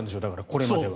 これまでは。